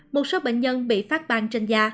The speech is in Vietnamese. một số bệnh nhân bị phát ban trên da